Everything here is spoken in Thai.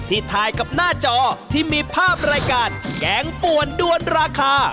ถ่ายกับหน้าจอที่มีภาพรายการแกงป่วนด้วนราคา